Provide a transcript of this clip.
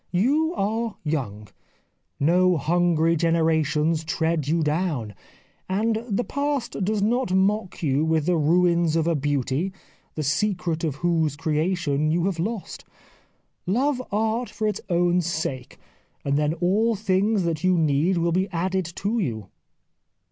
You are young ;* no hungry generations tread you down,' and the past does not mock you with the ruins of a beauty, the secret of whose creation you have lost. Love art for its own sake, and then all things that you need will be added to you."